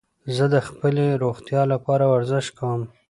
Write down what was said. زه د خپلې روغتیا لپاره ورزش کوم.